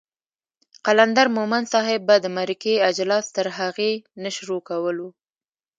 قلندر مومند صاحب به د مرکې اجلاس تر هغې نه شروع کولو